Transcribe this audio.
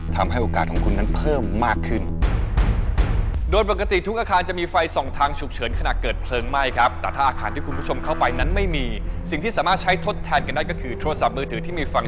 ด้วยคุณสมบัติของพอนด์และมวลอากาศร้อนมักจะลอยตัวขึ้นสูตรที่สูง